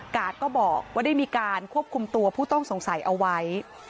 ก็บอกว่าได้มีการควบคุมตัวผู้ต้องสงสัยเอาไว้